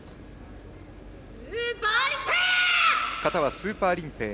スーパーリンペイ。